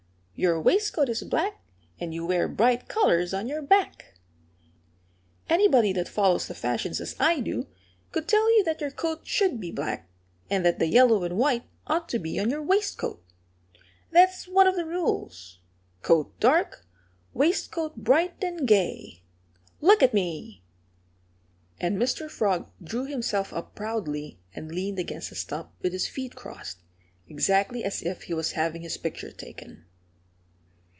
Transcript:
Your waistcoat is black; and you wear bright colors on your back. Anybody that follows the fashions as I do could tell you that your coat should be black, and that the yellow and white ought to be on your waistcoat. That's one of the rules: Coat dark, waistcoat bright and gay! Look at me!" And Mr. Frog drew himself up proudly and leaned against a stump, with his feet crossed, exactly as if he was having his picture taken.